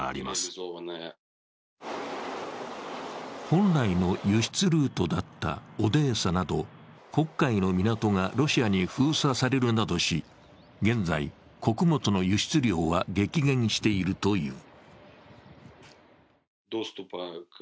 本来の輸出ルートだったオデーサなど、黒海の港がロシアに封鎖されるなどし、現在、穀物の輸出量は激減しているという。